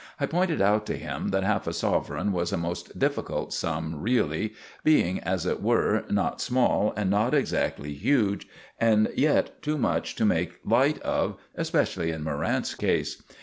I pointed out to him that half a sovereign was a most difficult sum really, being, as it were, not small and not exactly huge, and yet too much to make light of, especially in Morrant's case.